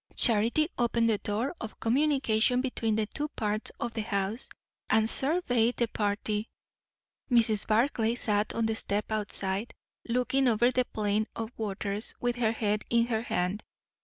Charity opened the door of communication between the two parts of the house, and surveyed the party. Mrs. Barclay sat on the step outside, looking over the plain of waters, with her head in her hand.